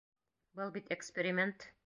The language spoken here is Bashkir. Был бит эксперимент!